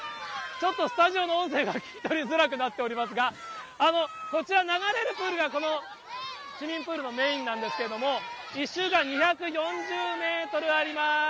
ちょっと、スタジオの音声が聞き取りづらくなっておりますが、こちら流れるプールが、この市民プールのメインなんですけれども、１周が２４０メートルあります。